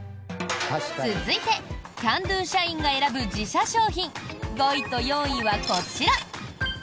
続いてＣａｎ★Ｄｏ社員が選ぶ自社商品５位と４位はこちら。